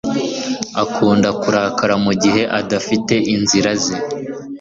Akunda kurakara mugihe adafite inzira ze